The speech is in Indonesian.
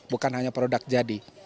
bukan hanya produk jadi